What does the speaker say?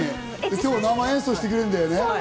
今日、生演奏してくれるんだよね。